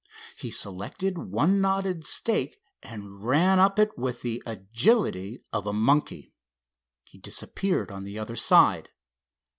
He selected one knotted stake and ran up it with the agility of a monkey. He disappeared on the other side.